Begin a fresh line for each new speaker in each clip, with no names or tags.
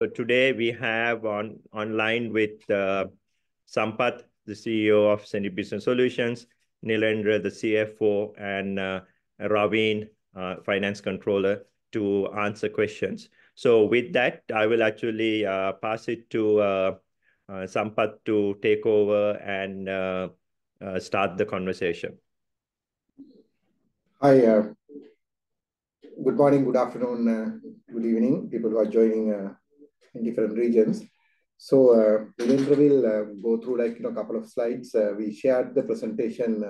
So today we have on, online with Sampath, the CEO of hSenid Business Solutions, Nilendra, the CFO, and Ravin, Finance Controller, to answer questions. So with that, I will actually pass it to Sampath to take over and start the conversation.
Hi, good morning, good afternoon, good evening, people who are joining in different regions. So, Nilendra will go through, like, you know, a couple of slides. We shared the presentation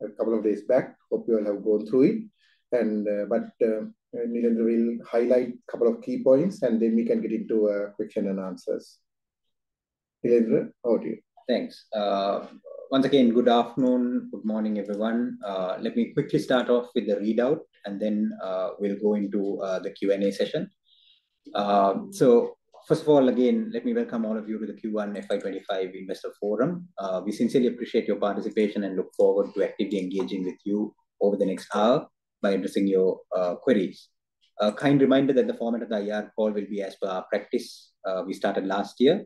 a couple of days back. Hope you all have gone through it. And, but, Nilendra will highlight a couple of key points, and then we can get into question and answers. Nilendra, over to you.
Thanks. Once again, good afternoon, good morning, everyone. Let me quickly start off with the readout, and then we'll go into the Q&A session. So first of all, again, let me welcome all of you to the Q1 FY 25 Investor Forum. We sincerely appreciate your participation and look forward to actively engaging with you over the next hour by addressing your queries. A kind reminder that the format of the IR call will be as per our practice we started last year,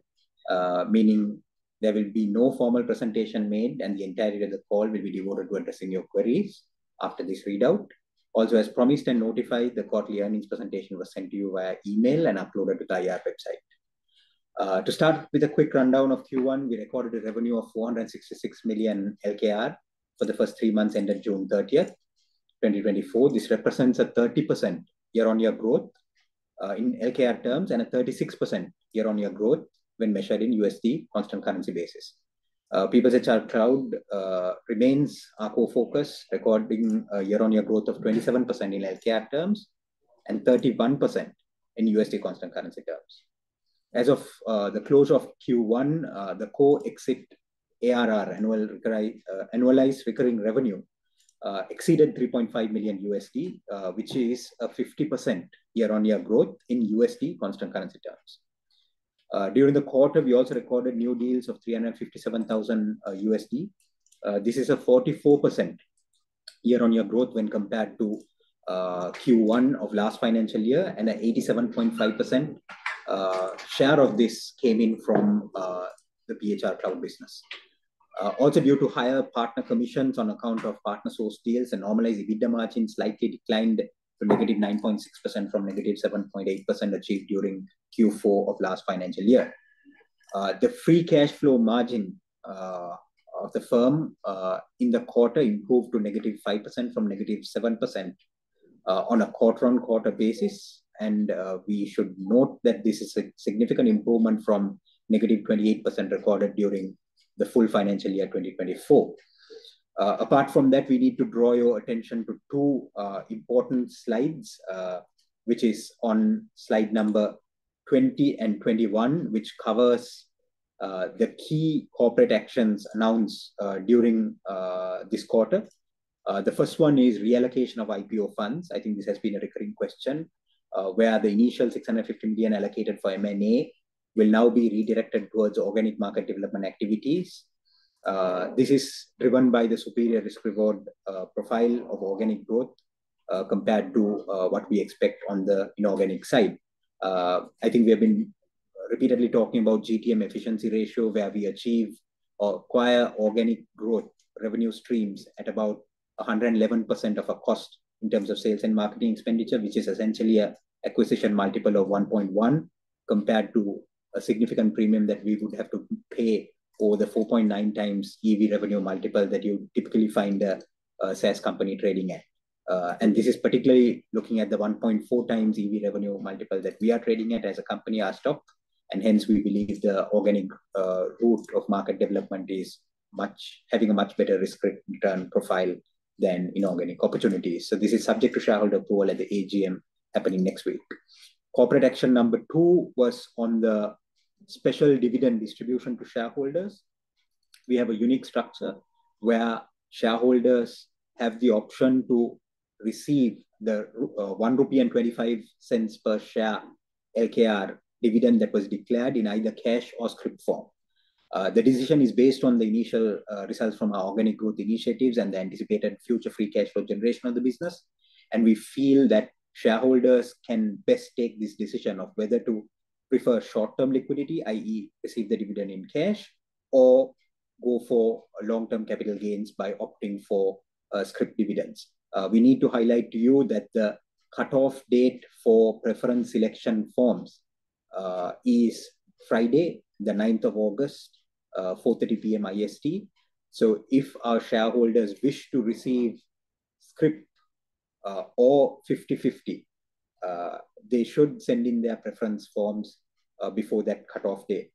meaning there will be no formal presentation made, and the entirety of the call will be devoted to addressing your queries after this readout. Also, as promised and notified, the quarterly earnings presentation was sent to you via email and uploaded to the IR website. To start with a quick rundown of Q1, we recorded revenue of LKR 466 million for the first three months ended June 30, 2024. This represents a 30% year-on-year growth in LKR terms, and a 36% year-on-year growth when measured in USD constant currency basis. PeoplesHR Cloud remains our core focus, recording a year-on-year growth of 27% in LKR terms and 31% in USD constant currency terms. As of the close of Q1, the core exit ARR, annualized recurring revenue, exceeded $3.5 million, which is a 50% year-on-year growth in USD constant currency terms. During the quarter, we also recorded new deals of $357,000. This is a 44% year-on-year growth when compared to Q1 of last financial year, and an 87.5% share of this came in from the PHR Cloud business. Also due to higher partner commissions on account of partner source deals and normalized EBITDA margins slightly declined to negative 9.6% from negative 7.8% achieved during Q4 of last financial year. The free cash flow margin of the firm in the quarter improved to negative 5% from negative 7% on a quarter-on-quarter basis. We should note that this is a significant improvement from negative 28% recorded during the full financial year 2024. Apart from that, we need to draw your attention to 2 important slides, which is on slide number 20 and 21, which covers the key corporate actions announced during this quarter. The first one is reallocation of IPO funds, I think this has been a recurring question, where the initial LKR 650 million allocated for M&A will now be redirected towards organic market development activities. This is driven by the superior risk-reward profile of organic growth compared to what we expect on the inorganic side. I think we have been repeatedly talking about GTM efficiency ratio, where we achieve or acquire organic growth revenue streams at about 111% of our cost in terms of sales and marketing expenditure, which is essentially an acquisition multiple of 1.1, compared to a significant premium that we would have to pay for the 4.9x EV revenue multiple that you typically find a SaaS company trading at. And this is particularly looking at the 1.4x EV revenue multiple that we are trading at as a company, our stock, and hence we believe the organic route of market development is having a much better risk return profile than inorganic opportunities. So this is subject to shareholder vote at the AGM happening next week. Corporate action number 2 was on the special dividend distribution to shareholders. We have a unique structure where shareholders have the option to receive the LKR 1.25 per share dividend that was declared in either cash or scrip form. The decision is based on the initial results from our organic growth initiatives and the anticipated future free cash flow generation of the business. We feel that shareholders can best take this decision of whether to prefer short-term liquidity, i.e., receive the dividend in cash, or go for long-term capital gains by opting for scrip dividends. We need to highlight to you that the cutoff date for preference election forms is Friday, the ninth of August, 4:30 P.M. IST. So if our shareholders wish to receive scrip, or 50/50, they should send in their preference forms, before that cutoff date.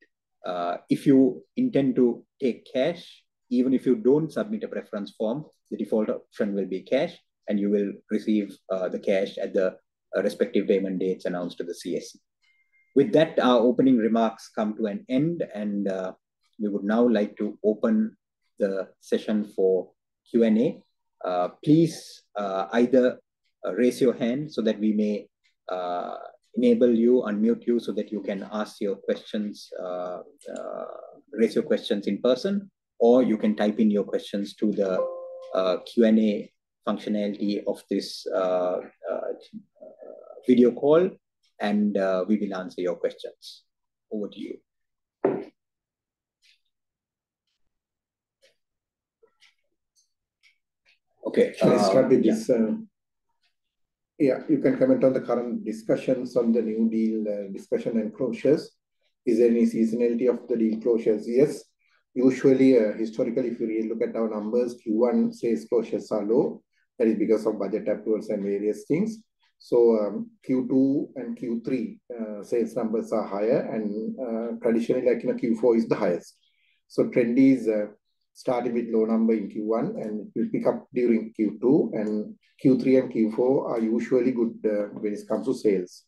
If you intend to take cash, even if you don't submit a preference form, the default option will be cash, and you will receive the cash at the respective payment dates announced to the CSE. With that, our opening remarks come to an end, and we would now like to open the session for Q&A. Please, either raise your hand so that we may enable you, unmute you, so that you can ask your questions, raise your questions in person, or you can type in your questions to the Q&A functionality of this video call, and we will answer your questions. Over to you.
Okay, Let's start with this. Yeah, you can comment on the current discussions on the new deal discussion and closures. Is there any seasonality of the deal closures? Yes. Usually, historically, if you really look at our numbers, Q1 sales closures are low. That is because of budget approvals and various things. So, Q2 and Q3 sales numbers are higher and, traditionally, like, you know, Q4 is the highest. So trend is, starting with low number in Q1, and it will pick up during Q2, and Q3 and Q4 are usually good, when it comes to sales.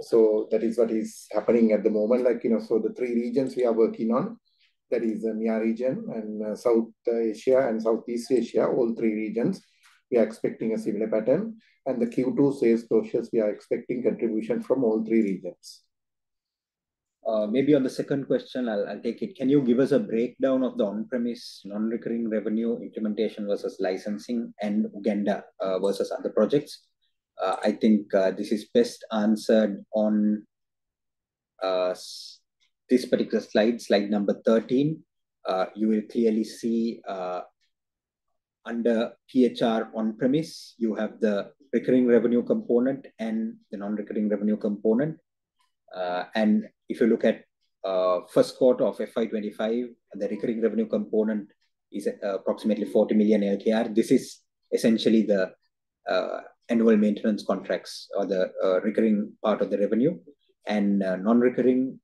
So that is what is happening at the moment. Like, you know, so the three regions we are working on, that is the MEA region and South Asia, and Southeast Asia, all three regions, we are expecting a similar pattern. The Q2 sales closures, we are expecting contribution from all three regions. Maybe on the second question, I'll take it. Can you give us a breakdown of the on-premise non-recurring revenue implementation versus licensing, and Uganda versus other projects? I think this is best answered on this particular slide, slide number 13. You will clearly see under PHR on-premise, you have the recurring revenue component and the non-recurring revenue component. And if you look at first quarter of FY 2025, the recurring revenue component is approximately LKR 40 million. This is essentially the annual maintenance contracts or the recurring part of the revenue. Non-recurring,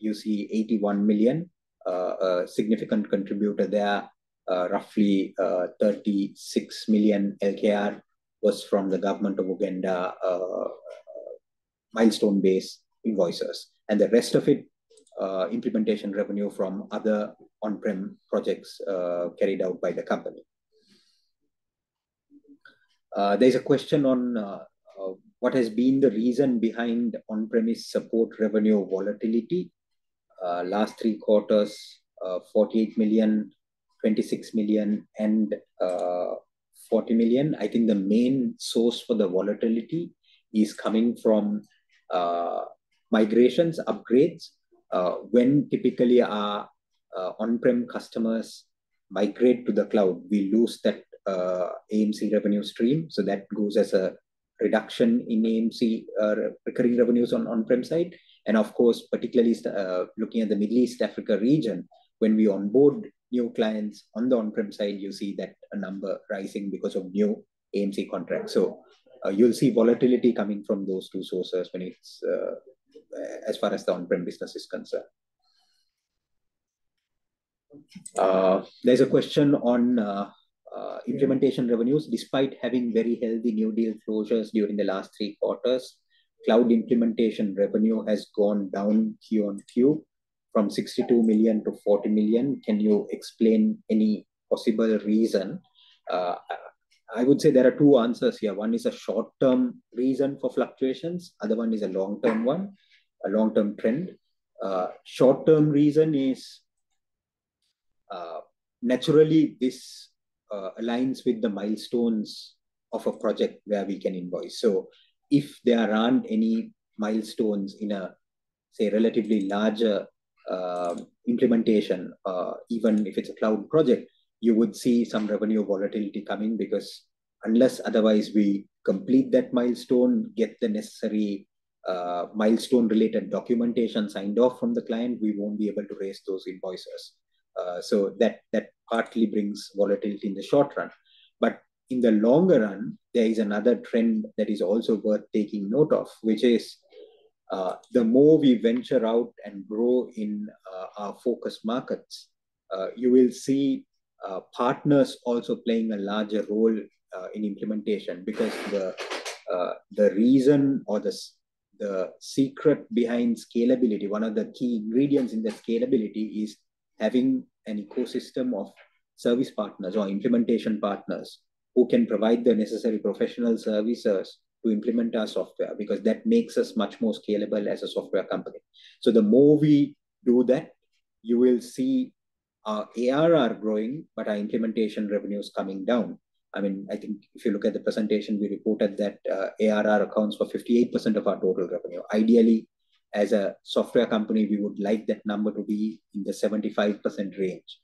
you see LKR 81 million, a significant contributor there, roughly LKR 36 million was from the government of Uganda, milestone-based invoices. The rest of it, implementation revenue from other on-prem projects, carried out by the company. There's a question on, what has been the reason behind the on-premise support revenue volatility. Last three quarters, LKR 48 million, LKR 26 million and LKR 40 million. I think the main source for the volatility is coming from migrations, upgrades. When typically our on-prem customers migrate to the cloud, we lose that AMC revenue stream, so that goes as a reduction in AMC recurring revenues on on-prem side. And of course, particularly, looking at the Middle East Africa region, when we onboard new clients on the on-prem side, you see that number rising because of new AMC contracts. So, you'll see volatility coming from those two sources when it's, as far as the on-prem business is concerned. There's a question on implementation revenues. Despite having very healthy new deal closures during the last three quarters, cloud implementation revenue has gone down Q on Q, from LKR 62 million to LKR 40 million. Can you explain any possible reason? I would say there are two answers here. One is a short-term reason for fluctuations, other one is a long-term one, a long-term trend. Short-term reason is naturally this aligns with the milestones of a project where we can invoice. So if there aren't any milestones in a, say, relatively larger implementation, even if it's a cloud project, you would see some revenue volatility coming, because unless otherwise, we complete that milestone, get the necessary milestone-related documentation signed off from the client, we won't be able to raise those invoices. So that partly brings volatility in the short run. But in the longer run, there is another trend that is also worth taking note of, which is, the more we venture out and grow in, our focus markets, you will see, partners also playing a larger role, in implementation. Because the, the reason or the secret behind scalability, one of the key ingredients in the scalability, is having an ecosystem of service partners or implementation partners who can provide the necessary professional services to implement our software, because that makes us much more scalable as a software company. So the more we do that, you will see our ARR growing, but our implementation revenue is coming down. I mean, I think if you look at the presentation, we reported that, ARR accounts for 58% of our total revenue. Ideally, as a software company, we would like that number to be in the 75% range.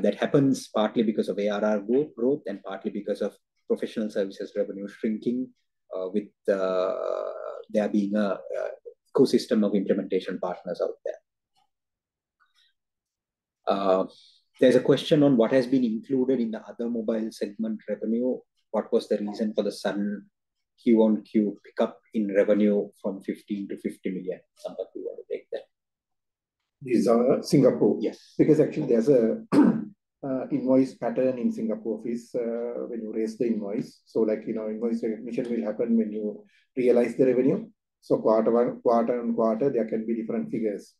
That happens partly because of ARR growth and partly because of professional services revenue shrinking, with there being a ecosystem of implementation partners out there. There's a question on what has been included in the other mobile segment revenue. What was the reason for the sudden Q on Q pick-up in revenue from LKR 15 million to LKR 50 million? Sampath, you want to take that? These are Singapore.
Yes.
Because actually, there's a invoice pattern in Singapore office when you raise the invoice. So like, you know, invoice recognition will happen when you realize the revenue. So quarter one - quarter on quarter, there can be different figures.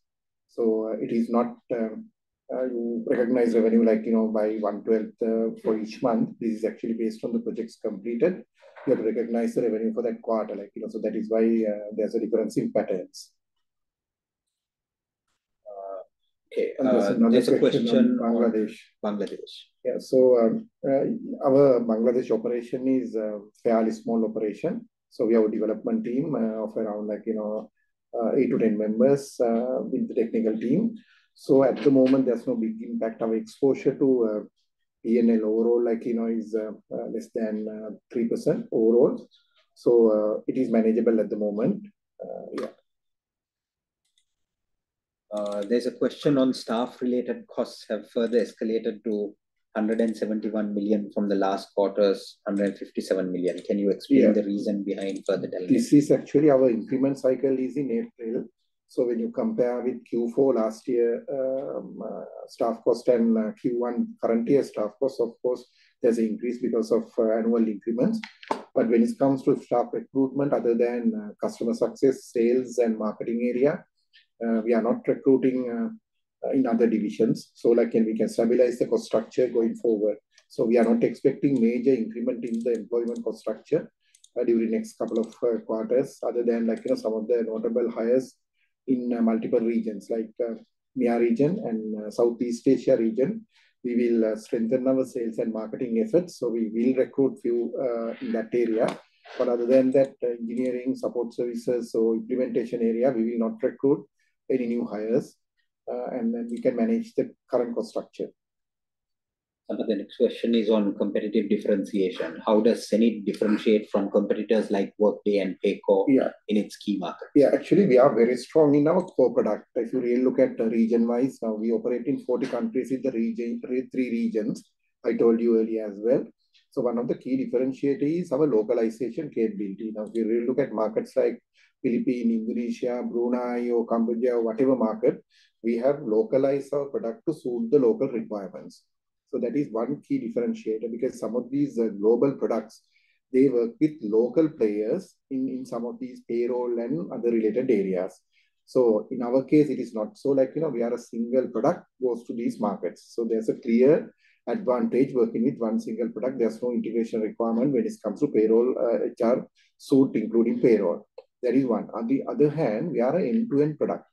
So it is not you recognize revenue like, you know, by one twelfth for each month. This is actually based on the projects completed, you have to recognize the revenue for that quarter, like, you know, so that is why there's a difference in patterns....
Okay, there's a question-
Bangladesh.
Bangladesh.
Yeah, so, our Bangladesh operation is a fairly small operation. So we have a development team of around, like, you know, 8-10 members with the technical team. So at the moment, there's no big impact on exposure to ECL overall, like, you know, less than 3% overall. So, it is manageable at the moment.
Yeah. There's a question on staff-related costs have further escalated to LKR 171 million from the last quarter's LKR 157 million.
Yeah.
Can you explain the reason behind further delay?
This is actually our increment cycle is in April. So when you compare with Q4 last year, staff cost and Q1 current year staff cost, of course, there's an increase because of annual increments. But when it comes to staff recruitment, other than customer success, sales, and marketing area, we are not recruiting in other divisions. So, like, and we can stabilize the cost structure going forward. So we are not expecting major increment in the employment cost structure during the next couple of quarters, other than, like, you know, some of the notable hires in multiple regions, like MEA region and Southeast Asia region. We will strengthen our sales and marketing efforts, so we will recruit few in that area. But other than that, engineering, support services, or implementation area, we will not recruit any new hires, and then we can manage the current cost structure.
The next question is on competitive differentiation. How does hSenid differentiate from competitors like Workday and Paycom?
Yeah...
in its key market?
Yeah, actually, we are very strong in our core product. If you really look at the region-wise, now we operate in 40 countries in the region, three regions, I told you earlier as well. So one of the key differentiator is our localization capability. Now, if you really look at markets like Philippines, Indonesia, Brunei, or Cambodia, or whatever market, we have localized our product to suit the local requirements. So that is one key differentiator, because some of these global products, they work with local players in some of these payroll and other related areas. So in our case, it is not so. Like, you know, we are a single product goes to these markets. So there's a clear advantage working with one single product. There's no integration requirement when it comes to payroll, HR suite, including payroll. That is one. On the other hand, we are an end-to-end product.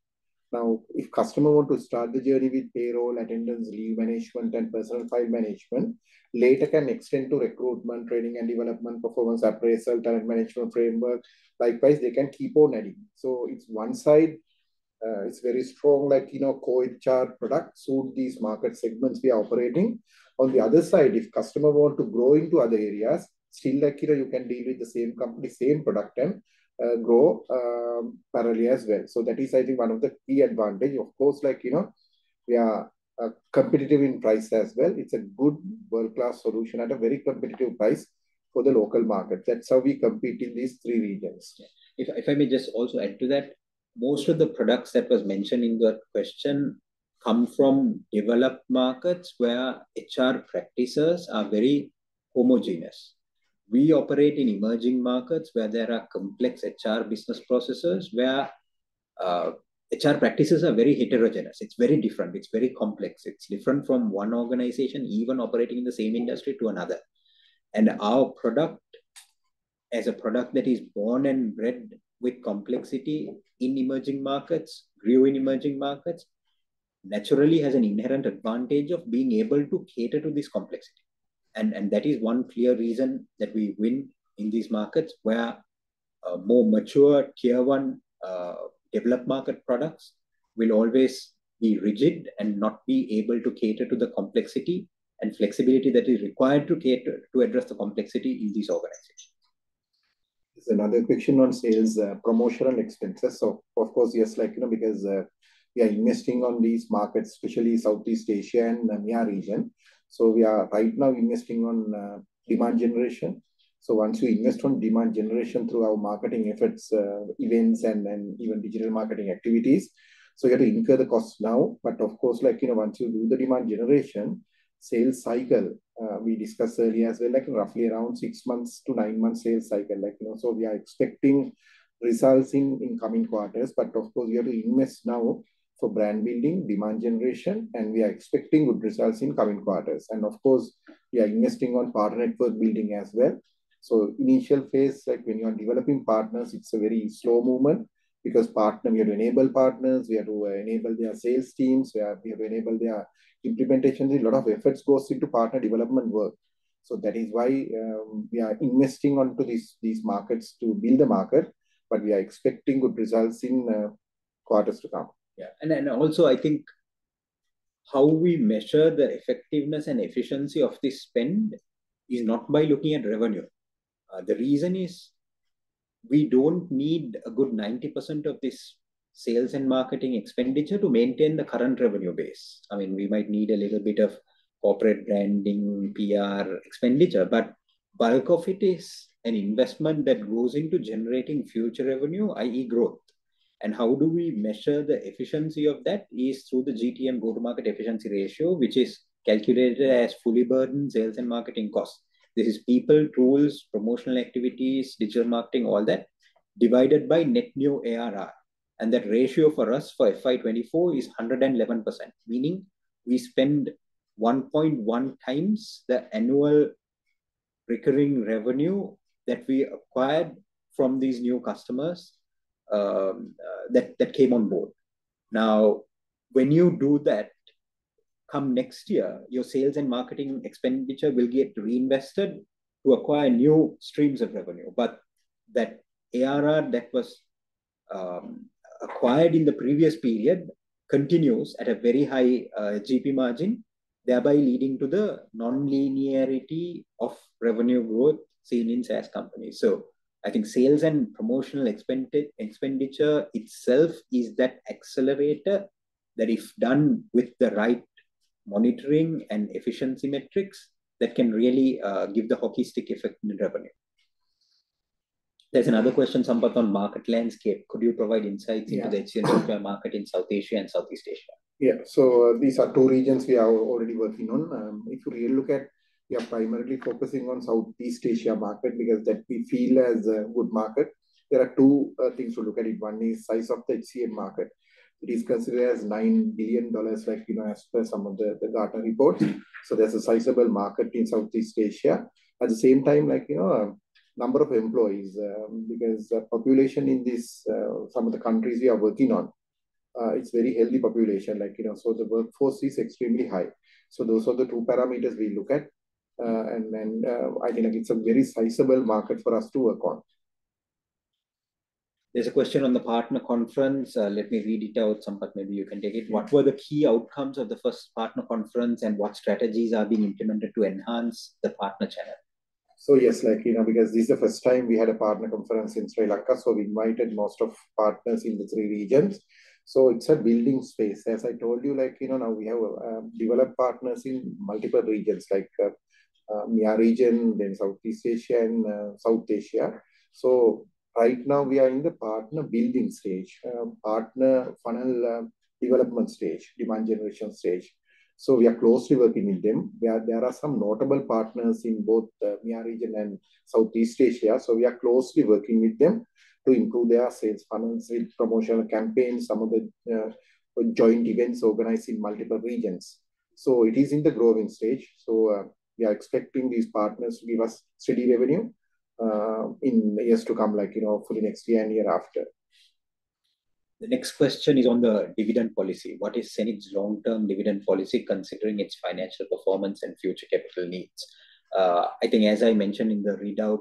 Now, if customer want to start the journey with payroll, attendance, leave management, and personal file management, later can extend to recruitment, training and development, performance appraisal, talent management framework. Likewise, they can keep on adding. So it's one side, it's very strong, like, you know, core HR product suite these market segments we are operating. On the other side, if customer want to grow into other areas, still, like, you know, you can deal with the same company, same product, and, grow, parallelly as well. So that is, I think, one of the key advantage. Of course, like, you know, we are, competitive in price as well. It's a good world-class solution at a very competitive price for the local market. That's how we compete in these three regions.
If I may just also add to that, most of the products that was mentioned in the question come from developed markets where HR practices are very homogeneous. We operate in emerging markets, where there are complex HR business processes, where HR practices are very heterogeneous. It's very different. It's very complex. It's different from one organization, even operating in the same industry, to another. And our product, as a product that is born and bred with complexity in emerging markets, grew in emerging markets, naturally has an inherent advantage of being able to cater to this complexity. And that is one clear reason that we win in these markets, where more mature Tier One developed market products will always be rigid and not be able to cater to the complexity and flexibility that is required to cater to address the complexity in these organizations.
There's another question on sales, promotional expenses. So of course, yes, like, you know, because, we are investing on these markets, especially Southeast Asia and MEA region. So we are right now investing on, demand generation. So once we invest on demand generation through our marketing efforts, events, and, and even digital marketing activities, so we have to incur the cost now. But of course, like, you know, once you do the demand generation, sales cycle, we discussed earlier as well, like roughly around 6 months to 9 months sales cycle. Like, you know, so we are expecting results in coming quarters. But of course, we have to invest now for brand building, demand generation, and we are expecting good results in coming quarters. And of course, we are investing on partner network building as well. So initial phase, like when you are developing partners, it's a very slow movement, because partner... We have to enable partners, we have to enable their sales teams, we have to enable their implementation. A lot of efforts goes into partner development work. So that is why we are investing onto these, these markets to build the market, but we are expecting good results in quarters to come.
Yeah. And then also, I think how we measure the effectiveness and efficiency of this spend is not by looking at revenue. The reason is we don't need a good 90% of this sales and marketing expenditure to maintain the current revenue base. I mean, we might need a little bit of corporate branding, PR expenditure, but bulk of it is an investment that goes into generating future revenue, i.e., growth. And how do we measure the efficiency of that? Is through the GTM, go-to-market efficiency ratio, which is calculated as fully burdened sales and marketing costs. This is people, tools, promotional activities, digital marketing, all that, divided by net new ARR. And that ratio for us for FY 2024 is 111%, meaning we spend 1.1 times the annual-... recurring revenue that we acquired from these new customers, that came on board. Now, when you do that, come next year, your sales and marketing expenditure will get reinvested to acquire new streams of revenue. But that ARR that was acquired in the previous period continues at a very high GP margin, thereby leading to the non-linearity of revenue growth seen in SaaS companies. So I think sales and promotional expenditure itself is that accelerator, that if done with the right monitoring and efficiency metrics, that can really give the hockey stick effect in the revenue. There's another question, Sampath, on market landscape. Could you provide insights into-
Yeah
- the HCM software market in South Asia and Southeast Asia?
Yeah. So these are two regions we are already working on. If you really look at, we are primarily focusing on Southeast Asia market because that we feel as a good market. There are two things to look at it. One is size of the HCM market. It is considered as $9 billion, like, you know, as per some of the, the Gartner reports. So there's a sizable market in Southeast Asia. At the same time, like, you know, number of employees, because the population in this, some of the countries we are working on, it's very healthy population, like, you know, so the workforce is extremely high. So those are the two parameters we look at. And then, I think it's a very sizable market for us to work on.
There's a question on the partner conference. Let me read it out, Sampath, maybe you can take it.
Yeah.
What were the key outcomes of the first partner conference, and what strategies are being implemented to enhance the partner channel?
So yes, like, you know, because this is the first time we had a partner conference in Sri Lanka, so we invited most of partners in the three regions. So it's a building space. As I told you, like, you know, now we have developed partners in multiple regions, like, MEA region, then Southeast Asia, and South Asia. So right now we are in the partner building stage, partner funnel, development stage, demand generation stage. So we are closely working with them. There are some notable partners in both MEA region and Southeast Asia, so we are closely working with them to improve their sales funnels, sales promotional campaigns, some of the joint events organized in multiple regions. So it is in the growing stage, so, we are expecting these partners to give us steady revenue in the years to come, like, you know, for the next year and year after.
The next question is on the dividend policy. What is hSenid's long-term dividend policy, considering its financial performance and future capital needs? I think as I mentioned in the readout,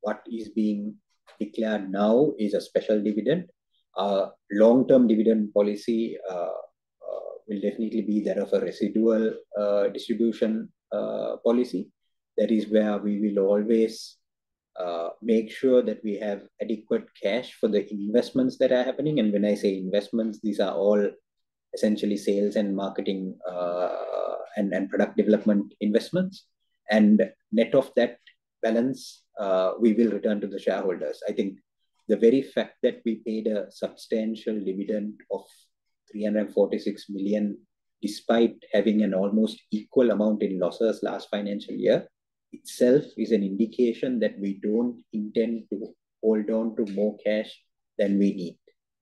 what is being declared now is a special dividend. Long-term dividend policy will definitely be that of a residual distribution policy. That is where we will always make sure that we have adequate cash for the investments that are happening. And when I say investments, these are all essentially sales and marketing and product development investments. And net of that balance, we will return to the shareholders. I think the very fact that we paid a substantial dividend of LKR 346 million, despite having an almost equal amount in losses last financial year, itself is an indication that we don't intend to hold on to more cash than we need.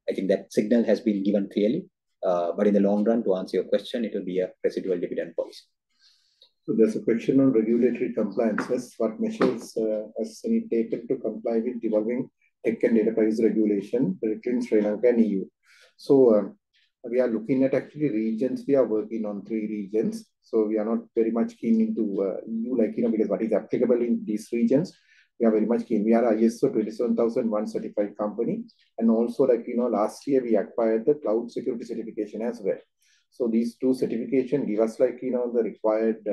I think that signal has been given clearly. But in the long run, to answer your question, it will be a residual dividend policy.
So there's a question on regulatory compliances. What measures has hSenid taken to comply with developing tech and data privacy regulation between Sri Lanka and EU? So, we are looking at actually regions, we are working on three regions, so we are not very much keen into, new, like, you know, because what is applicable in these regions, we are very much keen. We are ISO 27001 certified company, and also, like, you know, last year we acquired the cloud security certification as well. So these two certification give us, like, you know, the required,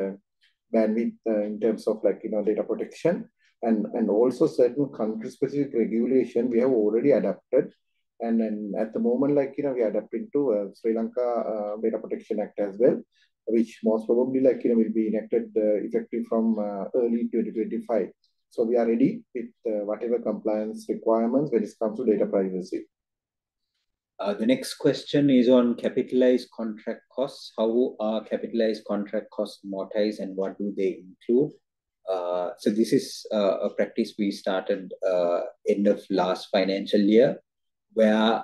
bandwidth, in terms of, like, you know, data protection. And also certain country-specific regulation we have already adapted. And then at the moment, like, you know, we are adapting to Sri Lanka Data Protection Act as well, which most probably, like, you know, will be enacted effective from early 2025. So we are ready with whatever compliance requirements when it comes to data privacy.
The next question is on capitalized contract costs. How are capitalized contract costs amortized, and what do they include? So this is a practice we started end of last financial year, where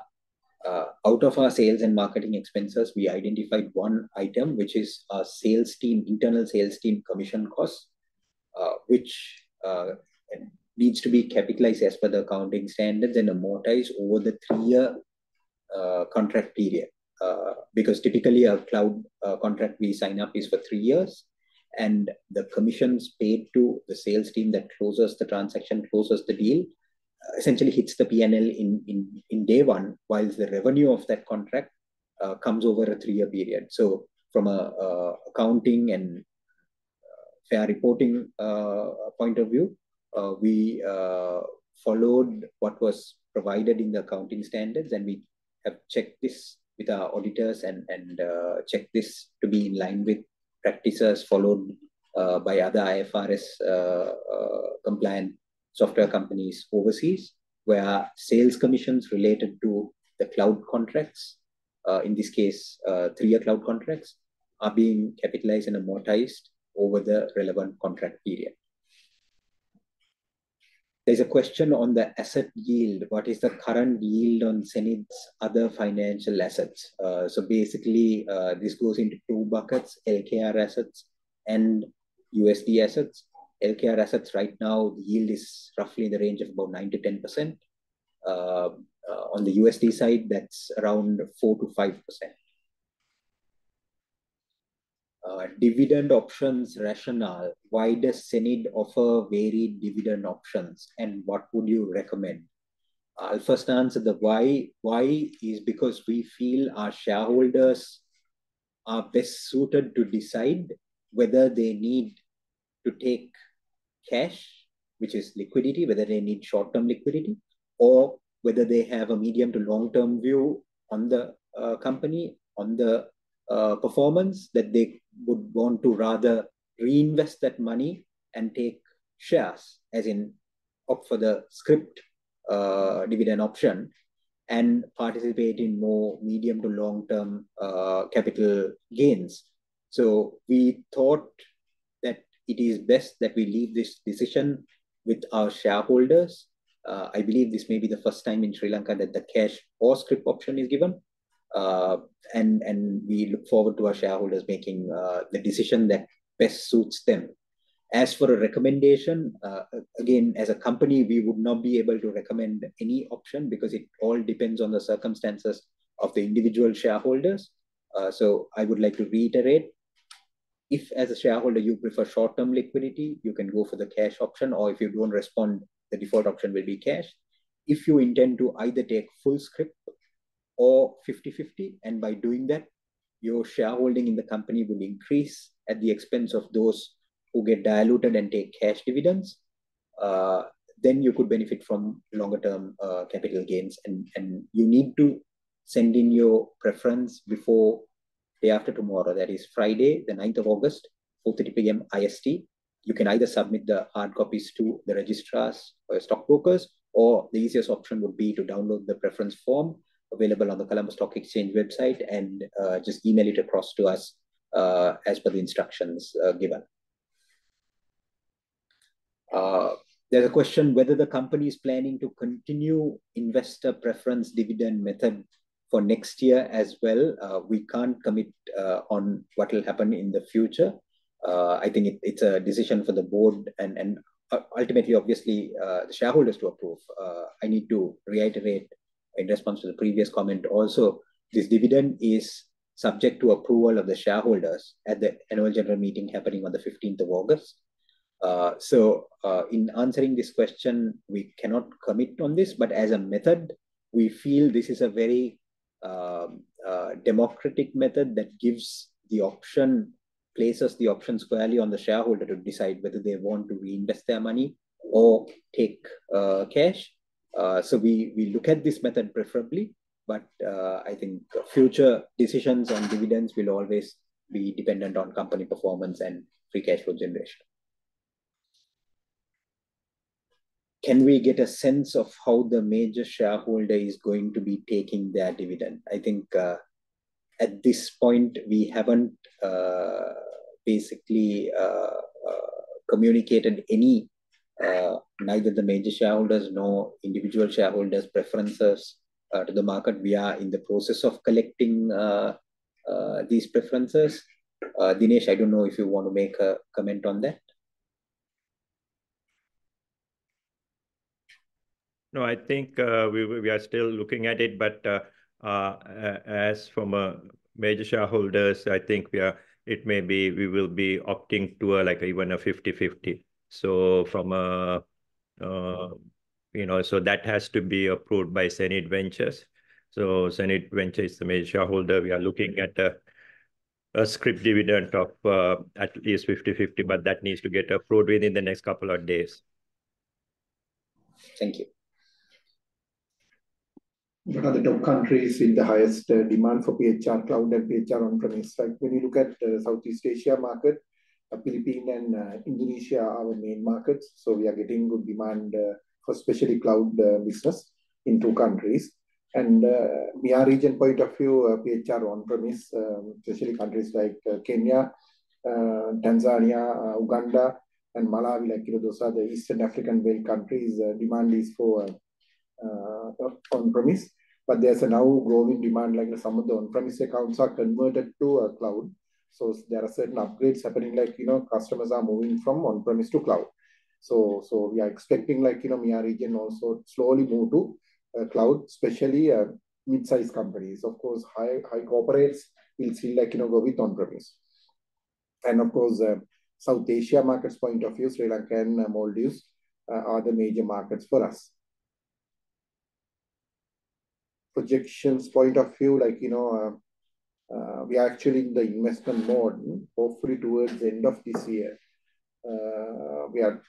out of our sales and marketing expenses, we identified one item, which is our sales team, internal sales team commission costs, which needs to be capitalized as per the accounting standards and amortized over the three-year contract period. Because typically, our cloud contract we sign up is for three years, and the commissions paid to the sales team that closes the transaction, closes the deal, essentially hits the P&L in day one, whilst the revenue of that contract comes over a three-year period. So from a accounting and fair reporting point of view, we followed what was provided in the accounting standards, and we have checked this with our auditors and checked this to be in line with practices followed by other IFRS compliant software companies overseas, where sales commissions related to the cloud contracts, in this case, three-year cloud contracts, are being capitalized and amortized over the relevant contract period. There's a question on the asset yield: What is the current yield on hSenid's other financial assets? So basically, this goes into two buckets, LKR assets and USD assets. LKR assets right now, the yield is roughly in the range of about 9%-10%. On the USD side, that's around 4%-5%. Dividend options rationale: Why does hSenid offer varied dividend options, and what would you recommend? I'll first answer the why. Why is because we feel our shareholders are best suited to decide whether they need to take cash, which is liquidity, whether they need short-term liquidity, or whether they have a medium to long-term view on the company, on the performance, that they would want to rather reinvest that money and take shares, as in opt for the scrip dividend option and participate in more medium to long-term capital gains. So we thought that it is best that we leave this decision with our shareholders. I believe this may be the first time in Sri Lanka that the cash or scrip option is given. And we look forward to our shareholders making the decision that best suits them. As for a recommendation, again, as a company, we would not be able to recommend any option because it all depends on the circumstances of the individual shareholders. So I would like to reiterate, if as a shareholder, you prefer short-term liquidity, you can go for the cash option, or if you don't respond, the default option will be cash. If you intend to either take full scrip or 50/50, and by doing that, your shareholding in the company will increase at the expense of those who get diluted and take cash dividends, then you could benefit from longer-term capital gains. You need to send in your preference before day after tomorrow, that is Friday, the ninth of August, 4:30 P.M. IST. You can either submit the hard copies to the registrars or stockbrokers, or the easiest option would be to download the preference form available on the Colombo Stock Exchange website and just email it across to us, as per the instructions given. There's a question whether the company is planning to continue investor preference dividend method for next year as well. We can't commit on what will happen in the future. I think it, it's a decision for the board and, and ultimately, obviously, the shareholders to approve. I need to reiterate in response to the previous comment also, this dividend is subject to approval of the shareholders at the annual general meeting happening on the fifteenth of August. So, in answering this question, we cannot commit on this, but as a method, we feel this is a very democratic method that gives the option, places the option squarely on the shareholder to decide whether they want to reinvest their money or take cash. So we look at this method preferably, but I think future decisions on dividends will always be dependent on company performance and free cash flow generation. Can we get a sense of how the major shareholder is going to be taking their dividend? I think at this point, we haven't basically communicated any, neither the major shareholders nor individual shareholders' preferences to the market. We are in the process of collecting these preferences. Dinesh, I don't know if you want to make a comment on that.
No, I think, we are still looking at it, but, as from major shareholders, I think we are... It may be we will be opting to, like even a 50/50. So from, you know, so that has to be approved by hSenid Ventures. So hSenid Ventures is the major shareholder. We are looking at, a scrip dividend of, at least 50/50, but that needs to get approved within the next couple of days.
Thank you.
What are the top countries with the highest demand for PeoplesHR Cloud and PeoplesHR On-premise? Like, when you look at the Southeast Asia market, Philippines and Indonesia are our main markets, so we are getting good demand for especially cloud business in two countries. And MEA region point of view, PeoplesHR On-premise especially countries like Kenya, Tanzania, Uganda and Malawi, like, you know, those are the East African belt countries, demand is for on-premise. But there's now growing demand, like some of the on-premise accounts are converted to cloud. So there are certain upgrades happening, like, you know, customers are moving from on-premise to cloud. So we are expecting like, you know, MEA region also slowly move to cloud, especially mid-sized companies. Of course, high, high corporates will still, like, you know, go with on-premise. And of course, South Asia markets point of view, Sri Lanka and Maldives are the major markets for us. Projections point of view, like, you know, we are actually in the investment mode. Hopefully, towards the end of this year, we are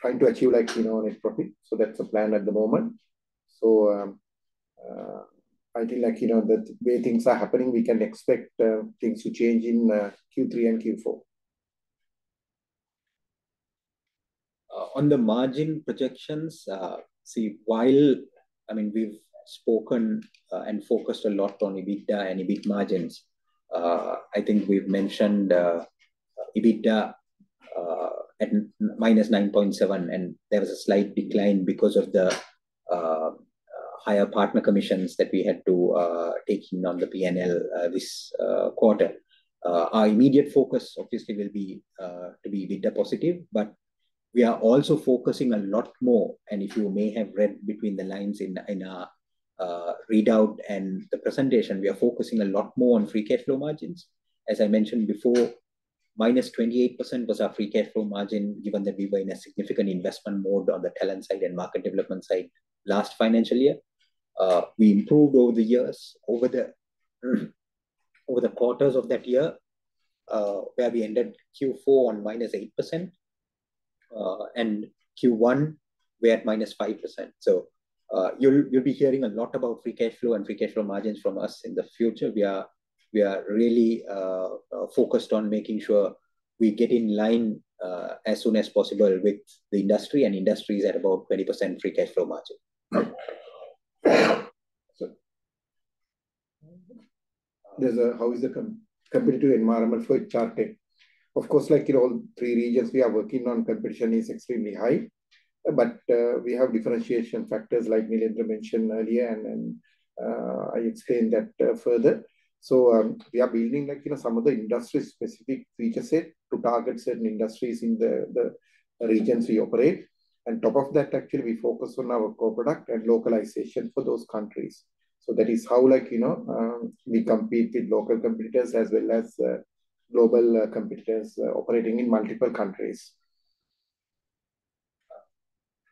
trying to achieve like, you know, net profit. So that's the plan at the moment. So, I think like, you know, the way things are happening, we can expect, things to change in, Q3 and Q4.
On the margin projections, see, while I mean, we've spoken and focused a lot on EBITDA and EBIT margins. I think we've mentioned EBITDA at -9.7, and there was a slight decline because of the higher partner commissions that we had to take in on the PNL this quarter. Our immediate focus obviously will be to be EBITDA positive, but we are also focusing a lot more, and if you may have read between the lines in our readout and the presentation, we are focusing a lot more on free cash flow margins. As I mentioned before, -28% was our free cash flow margin, given that we were in a significant investment mode on the talent side and market development side last financial year. We improved over the years, over the quarters of that year, where we ended Q4 on -8%, and Q1 we're at -5%. So, you'll be hearing a lot about free cash flow and free cash flow margins from us in the future. We are really focused on making sure we get in line as soon as possible with the industry, and industry is at about 20% free cash flow margin.
How is the competitive environment for Charting? Of course, like in all three regions we are working on, competition is extremely high. But, we have differentiation factors like Nilendra mentioned earlier, and then, I explained that, further. So, we are building, like, you know, some of the industry-specific feature set to target certain industries in the regions we operate. On top of that, actually, we focus on our core product and localization for those countries. So that is how, like, you know, we compete with local competitors as well as, global, competitors, operating in multiple countries.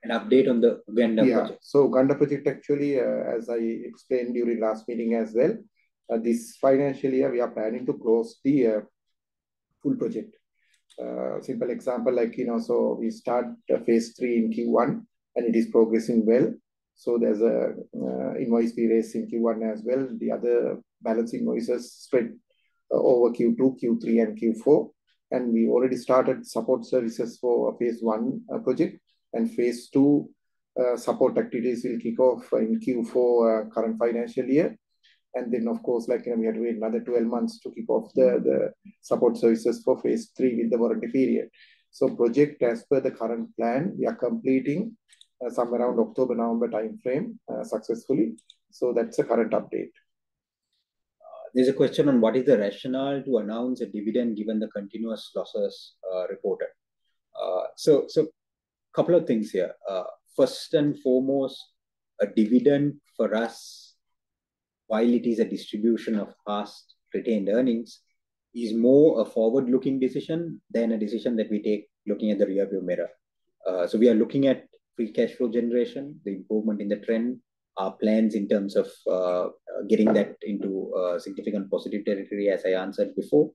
An update on the Uganda project.
Yeah. So Uganda project actually, as I explained during last meeting as well, this financial year, we are planning to close the full project. Simple example, like, you know, so we start the phase 3 in Q1, and it is progressing well. So there's a invoice we raised in Q1 as well. The other balance invoices spread over Q2, Q3, and Q4. And we already started support services for phase 1 project, and phase 2 support activities will kick off in Q4, current financial year. And then, of course, like, we have to wait another 12 months to kick off the support services for phase 3 with the warranty period. So project, as per the current plan, we are completing somewhere around October-November timeframe, successfully. So that's the current update.
There's a question on: What is the rationale to announce a dividend given the continuous losses reported? So, couple of things here. First and foremost, a dividend for us, while it is a distribution of past retained earnings, is more a forward-looking decision than a decision that we take looking at the rear view mirror. So we are looking at free cash flow generation, the improvement in the trend, our plans in terms of getting that into significant positive territory, as I answered before.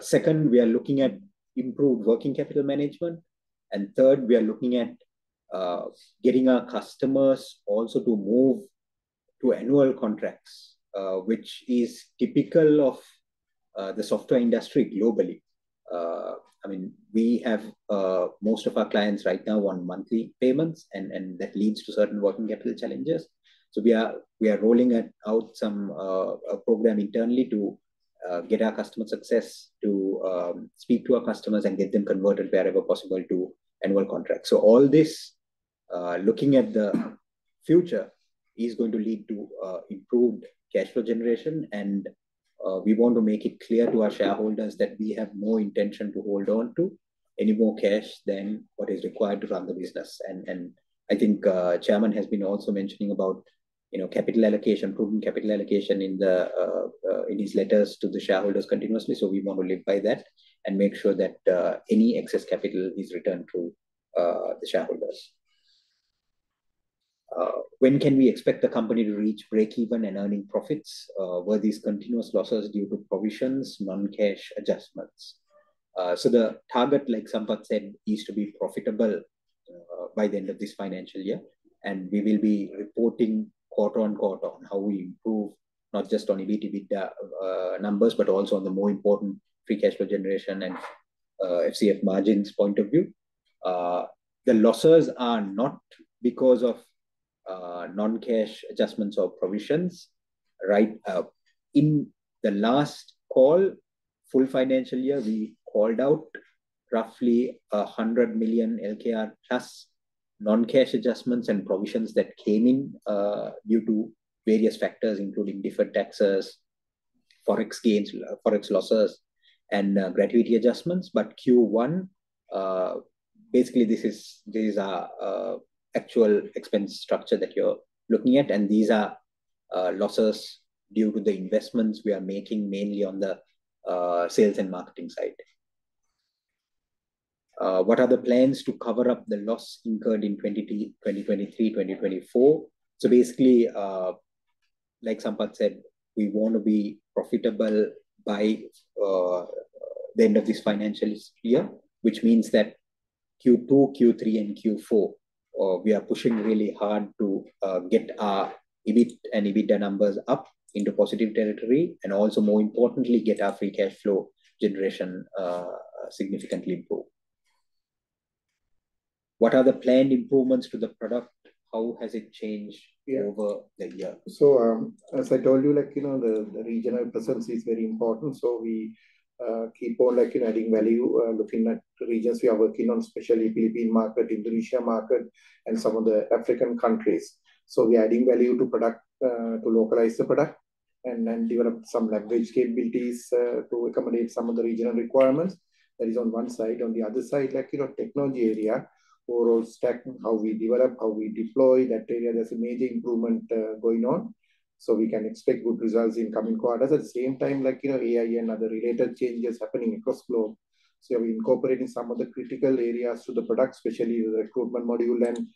Second, we are looking at improved working capital management. And third, we are looking at getting our customers also to move to annual contracts, which is typical of the software industry globally. I mean, we have most of our clients right now on monthly payments, and that leads to certain working capital challenges. So we are rolling out some a program internally to get our customer success to speak to our customers and get them converted wherever possible to annual contracts. So all this, looking at the future, is going to lead to improved cash flow generation, and we want to make it clear to our shareholders that we have no intention to hold on to any more cash than what is required to run the business. And I think Chairman has been also mentioning about, you know, capital allocation, proven capital allocation in his letters to the shareholders continuously. So we want to live by that and make sure that any excess capital is returned to the shareholders. When can we expect the company to reach breakeven and earning profits? Were these continuous losses due to provisions, non-cash adjustments? So the target, like Sampath said, is to be profitable by the end of this financial year, and we will be reporting quarter-over-quarter on how we improve, not just on EBITDA numbers, but also on the more important free cash flow generation and FCF margins point of view. The losses are not because of non-cash adjustments or provisions, right? In the last call, full financial year, we called out roughly LKR 100 million plus non-cash adjustments and provisions that came in, due to various factors, including deferred taxes, Forex gains, Forex losses, and, gratuity adjustments. But Q1, basically, this is—these are, actual expense structure that you're looking at, and these are, losses due to the investments we are making, mainly on the, sales and marketing side. What are the plans to cover up the loss incurred in 2023, 2024? So basically, like Sampath said, we want to be profitable by, the end of this financial year, which means that Q2, Q3, and Q4, we are pushing really hard to, get our EBIT and EBITDA numbers up into positive territory and also, more importantly, get our free cash flow generation, significantly improve. What are the planned improvements to the product? How has it changed-
Yeah.
over the year?
So, as I told you, like, you know, the regional presence is very important, so we keep on, like, you know, adding value, looking at regions we are working on, especially Philippines market, Indonesia market, and some of the African countries. So we're adding value to product, to localize the product, and then develop some language capabilities, to accommodate some of the regional requirements. That is on one side. On the other side, like, you know, technology area, overall stack, how we develop, how we deploy that area, there's a major improvement, going on, so we can expect good results in coming quarters. At the same time, like, you know, AI and other related changes happening across globe, so we're incorporating some of the critical areas to the product, especially the recruitment module and,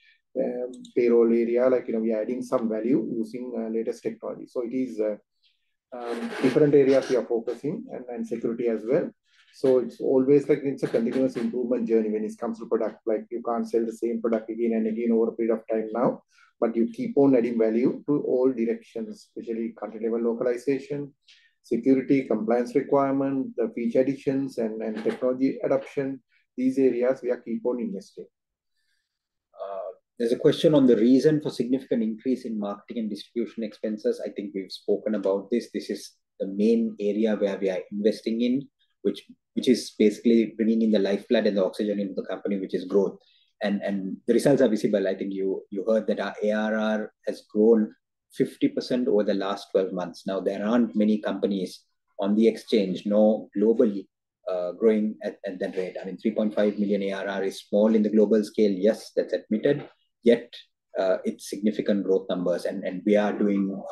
payroll area. Like, you know, we are adding some value using latest technology. So it is different areas we are focusing, and security as well. So it's always like it's a continuous improvement journey when it comes to product. Like, you can't sell the same product again and again over a period of time now, but you keep on adding value to all directions, especially country-level localization, security, compliance requirement, the feature additions, and technology adoption. These areas we are keep on investing.
There's a question on the reason for significant increase in marketing and distribution expenses. I think we've spoken about this. This is the main area where we are investing in, which is basically bringing in the lifeblood and the oxygen into the company, which is growth. And the results are visible. I think you heard that our ARR has grown 50% over the last twelve months. Now, there aren't many companies on the exchange, nor globally, growing at that rate. I mean, $3.5 million ARR is small in the global scale, yes, that's admitted, yet it's significant growth numbers. And we are doing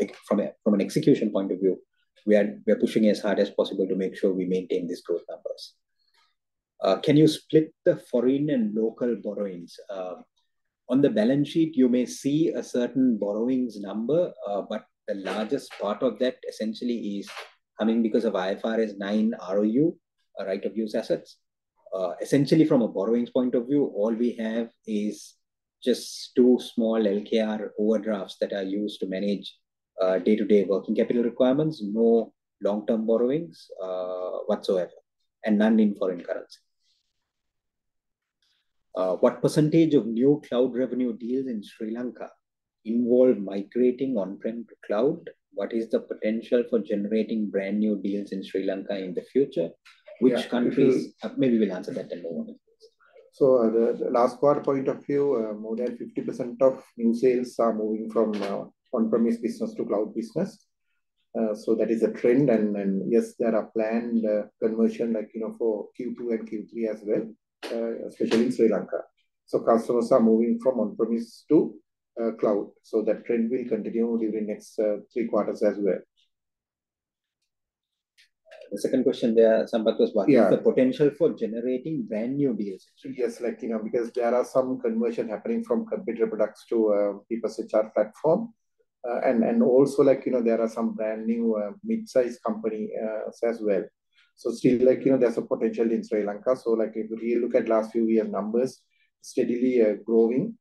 it from a, from an execution point of view, we are pushing as hard as possible to make sure we maintain these growth numbers. Can you split the foreign and local borrowings? On the balance sheet, you may see a certain borrowings number, but the largest part of that essentially is coming because of IFRS 9 ROU, or right of use assets. Essentially from a borrowings point of view, all we have is just two small LKR overdrafts that are used to manage day-to-day working capital requirements, no long-term borrowings whatsoever, and none in foreign currency. What percentage of new cloud revenue deals in Sri Lanka involve migrating on-prem to cloud? What is the potential for generating brand-new deals in Sri Lanka in the future?
Yeah, if you-
Which countries... Maybe we'll answer that in a moment.
So, the last quarter point of view, more than 50% of new sales are moving from on-premise business to cloud business. So that is a trend, and then, yes, there are planned conversion like, you know, for Q2 and Q3 as well, especially in Sri Lanka. So customers are moving from on-premise to cloud, so that trend will continue during the next three quarters as well.
The second question there, Sampath was asking-
Yeah...
the potential for generating brand-new deals.
So yes, like, you know, because there are some conversion happening from computer products to PeoplesHR platform. And also, like, you know, there are some brand-new, mid-sized company, as well. So still, like, you know, there's a potential in Sri Lanka. So like, if you look at last few year numbers, steadily, growing,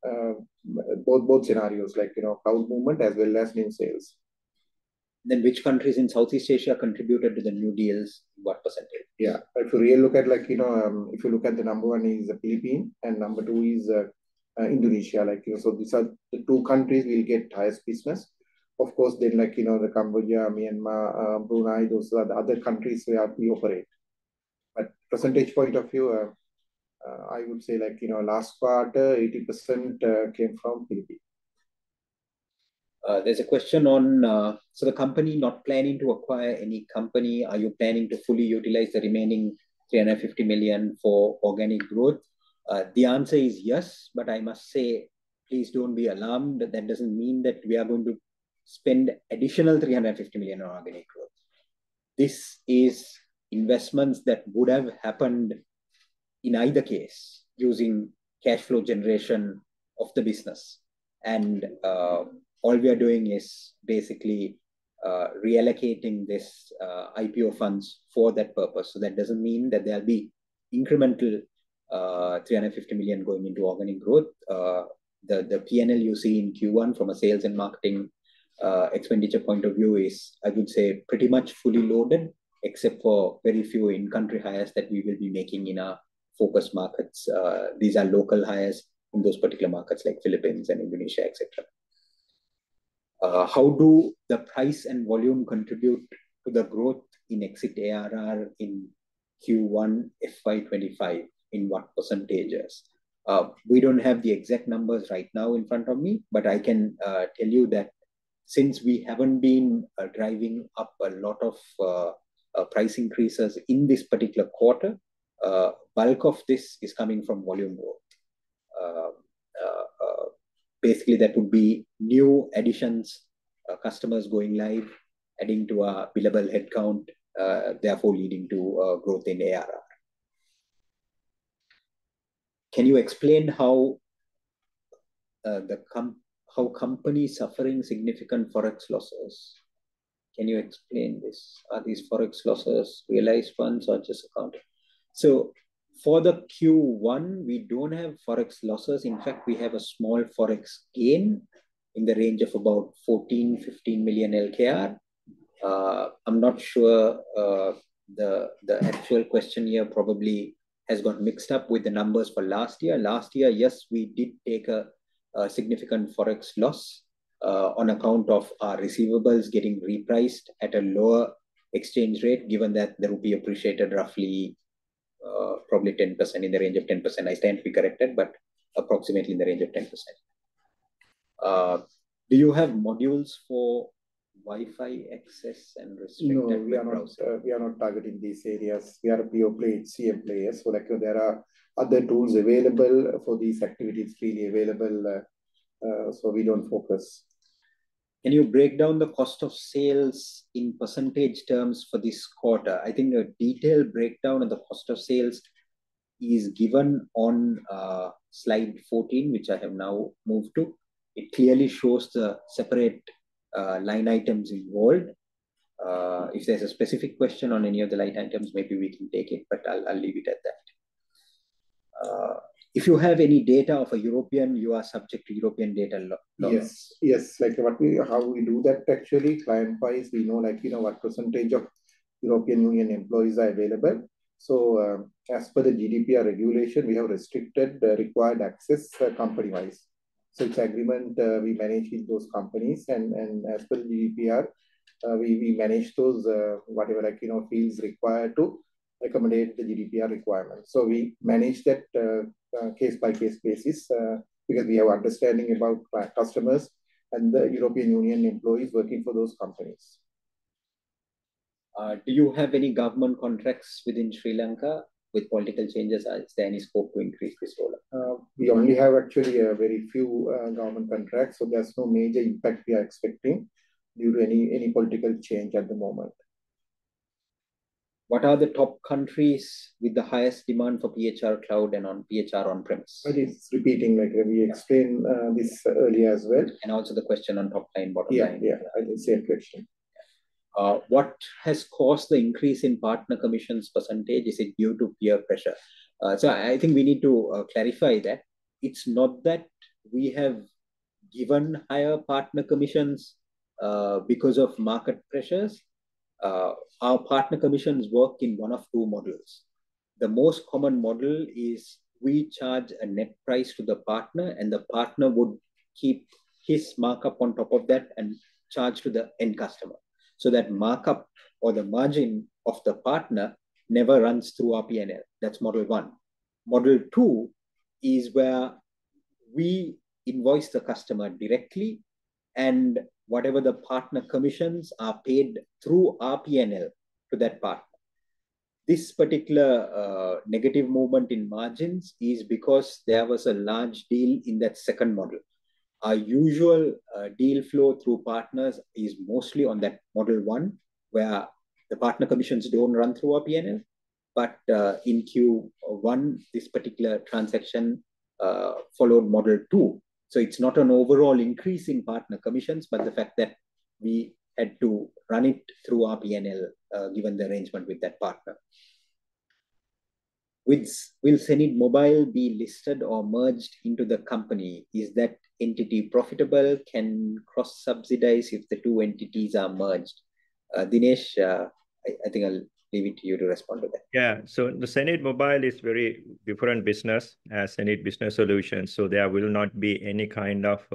both, both scenarios, like, you know, cloud movement as well as new sales.
Then, which countries in Southeast Asia contributed to the new deals? What percentage?
Yeah. If you really look at, like, you know, if you look at the number one is the Philippines, and number two is, Indonesia. Like, you know, so these are the two countries we'll get highest business. Of course, then, like, you know, the Cambodia, Myanmar, Brunei, those are the other countries where we operate. But percentage point of view, I would say, like, you know, last quarter, 80%, came from Philippines.
There's a question on... "So the company not planning to acquire any company, are you planning to fully utilize the remaining LKR 350 million for organic growth?" The answer is yes, but I must say, please don't be alarmed. That doesn't mean that we are going to spend additional LKR 350 million on organic growth. This is investments that would have happened in either case, using cash flow generation of the business, and all we are doing is basically reallocating this IPO funds for that purpose. So that doesn't mean that there'll be incremental LKR 350 million going into organic growth. The P&L you see in Q1 from a sales and marketing expenditure point of view is, I would say, pretty much fully loaded, except for very few in-country hires that we will be making in our focus markets. These are local hires in those particular markets, like Philippines and Indonesia, et cetera. How do the price and volume contribute to the growth in exit ARR in Q1 FY 25, in what percentages? We don't have the exact numbers right now in front of me, but I can tell you that since we haven't been driving up a lot of price increases in this particular quarter, bulk of this is coming from volume growth. Basically, that would be new additions, customers going live, adding to our billable headcount, therefore leading to growth in ARR. Can you explain how the company suffering significant forex losses? Can you explain this? Are these forex losses realized funds or just accounting? So for the Q1, we don't have forex losses. In fact, we have a small forex gain in the range of about LKR 14 million-LKR 15 million. I'm not sure the actual question here probably has got mixed up with the numbers for last year. Last year, yes, we did take a significant Forex loss on account of our receivables getting repriced at a lower exchange rate, given that the rupee appreciated roughly probably 10%, in the range of 10%. I stand to be corrected, but approximately in the range of 10%. Do you have modules for Wi-Fi access and restricted web browser?
No, we are not targeting these areas. We are a pure play HCM player, so like there are other tools available for these activities, freely available, so we don't focus.
Can you break down the cost of sales in percentage terms for this quarter? I think a detailed breakdown of the cost of sales is given on slide 14, which I have now moved to. It clearly shows the separate line items involved. If there's a specific question on any of the line items, maybe we can take it, but I'll, I'll leave it at that. If you have any data of a European, you are subject to European data laws.
Yes, yes. Like, how we do that actually, client-wise, we know, like, you know, what percentage of European Union employees are available. So, as per the GDPR regulation, we have restricted the required access company-wise. So each agreement we manage with those companies, and as per the GDPR, we manage those whatever, like, you know, fields required to accommodate the GDPR requirements. So we manage that on a case-by-case basis because we have understanding about our customers and the European Union employees working for those companies.
Do you have any government contracts within Sri Lanka? With political changes, is there any scope to increase this role?
We only have actually a very few government contracts, so there's no major impact we are expecting due to any political change at the moment.
What are the top countries with the highest demand for PHR Cloud and on PHR on-premise?
That is repeating, like, we explained this earlier as well.
Also the question on top line, bottom line.
Yeah, yeah, I think same question.
What has caused the increase in partner commissions percentage? Is it due to peer pressure? So I think we need to clarify that. It's not that we have given higher partner commissions because of market pressures. Our partner commissions work in one of two models. The most common model is we charge a net price to the partner, and the partner would keep his markup on top of that and charge to the end customer. So that markup or the margin of the partner never runs through our P&L. That's model one. Model two is where we invoice the customer directly, and whatever the partner commissions are paid through our P&L to that partner. This particular negative movement in margins is because there was a large deal in that second model. Our usual deal flow through partners is mostly on that model one, where the partner commissions don't run through our P&L. But in Q1, this particular transaction followed model two. So it's not an overall increase in partner commissions, but the fact that we had to run it through our P&L, given the arrangement with that partner. Will hSenid Mobile be listed or merged into the company? Is that entity profitable, can cross-subsidize if the two entities are merged? Dinesh, I think I'll leave it to you to respond to that.
Yeah. So the hSenid Mobile is very different business as hSenid Business Solutions, so there will not be any kind of,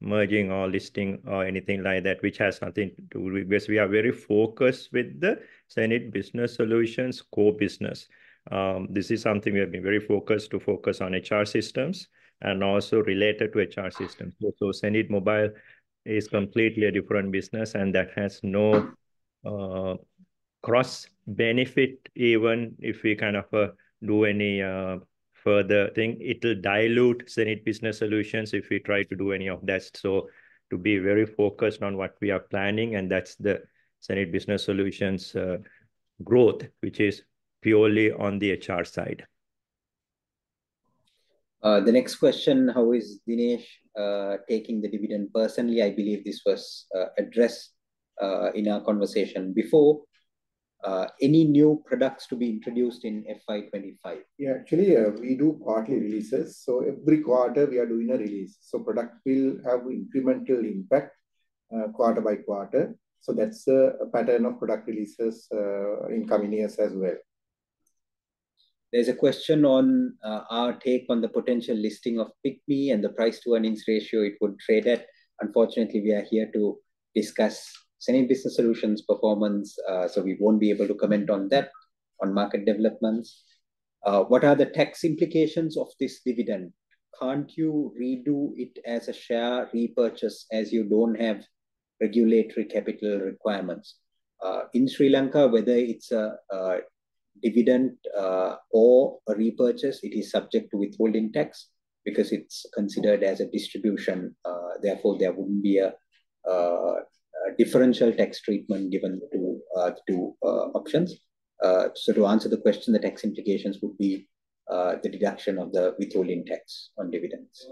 merging or listing or anything like that, which has nothing to do with... Because we are very focused with the hSenid Business Solutions core business. This is something we have been very focused to focus on, HR systems and also related to HR systems. So hSenid Mobile is completely a different business, and that has no, cross benefit, even if we kind of, do any, further thing. It'll dilute hSenid Business Solutions if we try to do any of that. So to be very focused on what we are planning, and that's the hSenid Business Solutions', growth, which is purely on the HR side.
The next question: How is Dinesh taking the dividend? Personally, I believe this was addressed in our conversation before. Any new products to be introduced in FY 25?
Yeah. Actually, we do quarterly releases, so every quarter we are doing a release. So product will have incremental impact, quarter by quarter. So that's a pattern of product releases, in coming years as well.
There's a question on our take on the potential listing of PickMe and the price-to-earnings ratio it would trade at. Unfortunately, we are here to discuss hSenid Business Solutions' performance, so we won't be able to comment on that, on market developments. What are the tax implications of this dividend? Can't you redo it as a share repurchase, as you don't have regulatory capital requirements? In Sri Lanka, whether it's a dividend or a repurchase, it is subject to withholding tax because it's considered as a distribution. Therefore, there wouldn't be a differential tax treatment given to two options. So to answer the question, the tax implications would be the deduction of the withholding tax on dividends.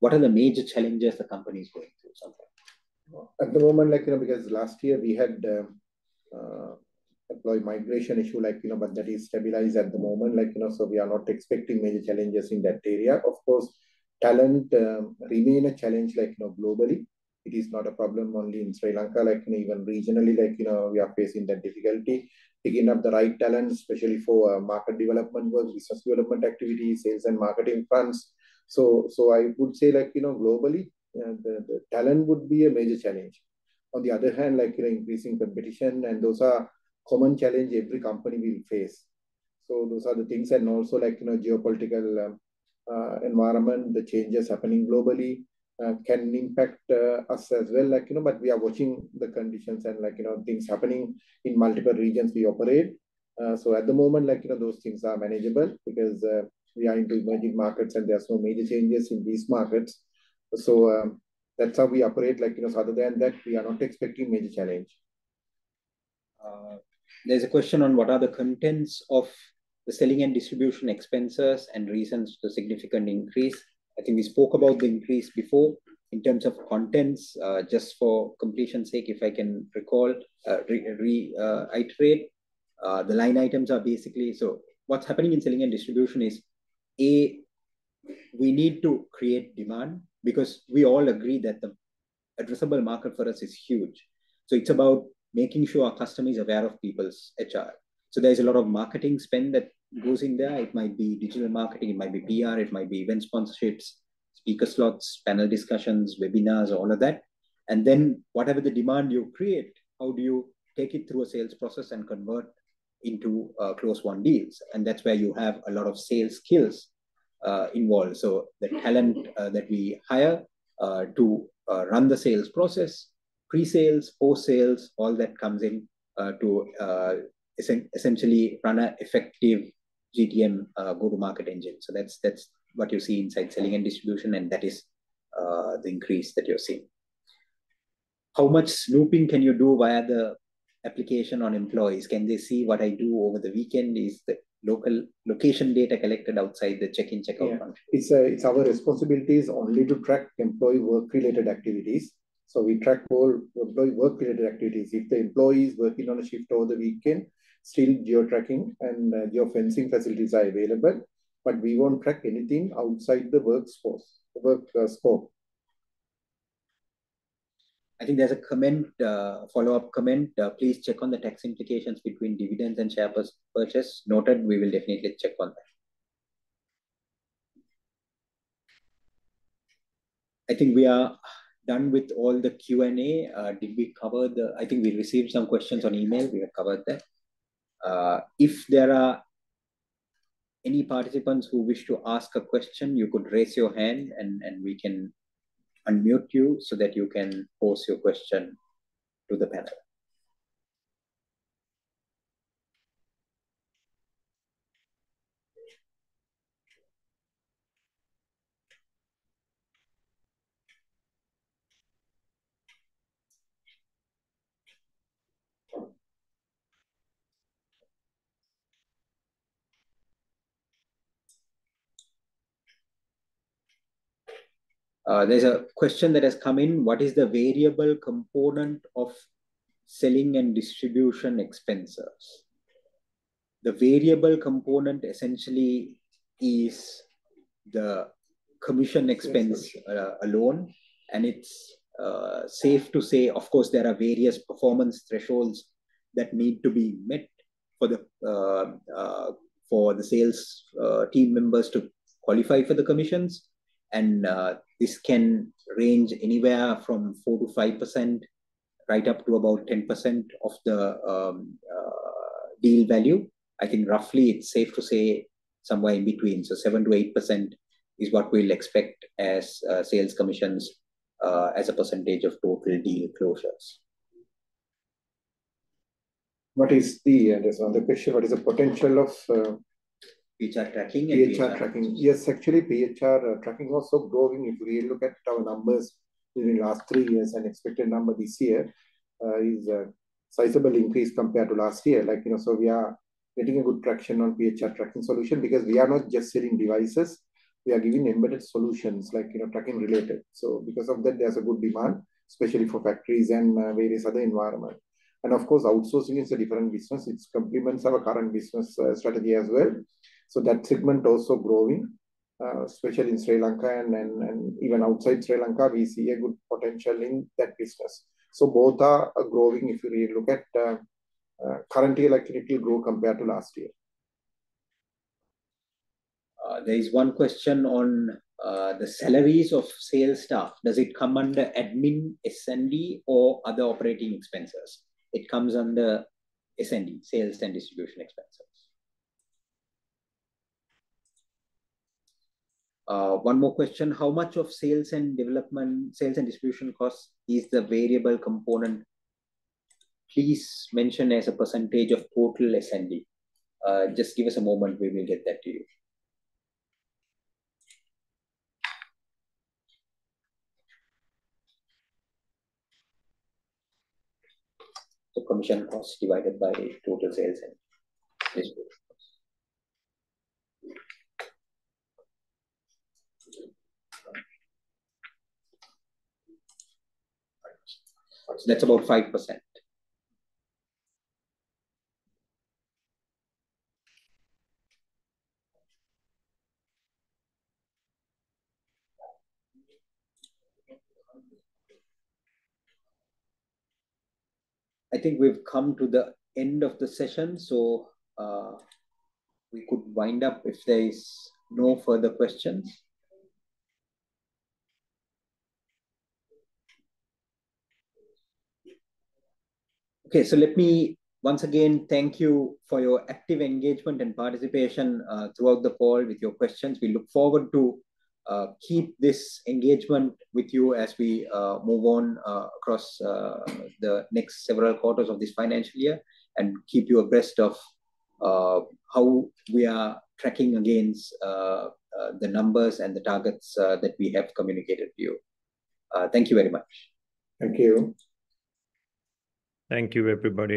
What are the major challenges the company is going through sometime?
At the moment, like, you know, because last year we had employee migration issue, like, you know, but that is stabilized at the moment, like, you know, so we are not expecting major challenges in that area. Of course, talent remain a challenge, like, you know, globally. It is not a problem only in Sri Lanka, like, even regionally, like, you know, we are facing that difficulty. Picking up the right talent, especially for market development works, business development activities, sales and marketing funds. So I would say, like, you know, globally, the talent would be a major challenge. On the other hand, like, you know, increasing competition, and those are common challenge every company will face. So those are the things and also, like, you know, geopolitical environment, the changes happening globally can impact us as well. Like, you know, but we are watching the conditions and, like, you know, things happening in multiple regions we operate. So at the moment, like, you know, those things are manageable because we are into emerging markets, and there are some major changes in these markets. So, that's how we operate. Like, you know, other than that, we are not expecting major challenge.
There's a question on what are the contents of the selling and distribution expenses and reasons for the significant increase? I think we spoke about the increase before. In terms of contents, just for completion's sake, if I can recall, reiterate the line items are basically... So what's happening in selling and distribution is, A, we need to create demand because we all agree that the addressable market for us is huge. So it's about making sure our customer is aware of PeoplesHR. So there's a lot of marketing spend that goes in there. It might be digital marketing, it might be PR, it might be event sponsorships, speaker slots, panel discussions, webinars, all of that. And then whatever the demand you create, how do you take it through a sales process and convert into closed-won deals? And that's where you have a lot of sales skills involved. So the talent that we hire to run the sales process, pre-sales, post-sales, all that comes in to essentially run a effective GTM go-to-market engine. So that's what you see inside selling and distribution, and that is the increase that you're seeing. How much snooping can you do via the application on employees? Can they see what I do over the weekend? Is the location data collected outside the check-in, check-out function?
Yeah. It's our responsibilities only to track employee work-related activities, so we track all employee work-related activities. If the employee is working on a shift over the weekend, still geo-tracking and geo-fencing facilities are available, but we won't track anything outside the workforce, work scope.
I think there's a comment, follow-up comment. Please check on the tax implications between dividends and share purchase. Noted. We will definitely check on that. I think we are done with all the Q&A. Did we cover the-- I think we received some questions on email, we have covered that. If there are any participants who wish to ask a question, you could raise your hand and we can unmute you so that you can pose your question to the panel. There's a question that has come in: What is the variable component of selling and distribution expenses? The variable component essentially is the commission expense-
Yes.
Alone, and it's safe to say, of course, there are various performance thresholds that need to be met for the sales team members to qualify for the commissions, and this can range anywhere from 4%-5%, right up to about 10% of the deal value. I think roughly it's safe to say somewhere in between. So 7%-8% is what we'll expect as sales commissions as a percentage of total deal closures.
What is the... There's another question, what is the potential of
PHR tracking and PHR-
PHR tracking? Yes, actually, PHR tracking also growing. If we look at our numbers during the last three years, and expected number this year is a sizable increase compared to last year. Like, you know, so we are getting a good traction on PHR tracking solution because we are not just selling devices, we are giving embedded solutions like, you know, tracking related. So because of that, there's a good demand, especially for factories and various other environment. And of course, outsourcing is a different business. It complements our current business strategy as well. So that segment also growing, especially in Sri Lanka, and even outside Sri Lanka, we see a good potential in that business. So both are growing if you really look at currently, like, little grow compared to last year.
There is one question on, the salaries of sales staff. Does it come under admin, S&D, or other operating expenses? It comes under S&D, sales and distribution expenses. One more question: How much of sales and development, sales and distribution costs is the variable component? Please mention as a percentage of total S&D. Just give us a moment, we will get that to you. The commission cost divided by total sales and distribution costs. That's about 5%. I think we've come to the end of the session, so, we could wind up if there is no further questions. Okay, so let me once again thank you for your active engagement and participation, throughout the call with your questions. We look forward to keep this engagement with you as we move on across the next several quarters of this financial year, and keep you abreast of how we are tracking against the numbers and the targets that we have communicated to you. Thank you very much.
Thank you.
Thank you, everybody.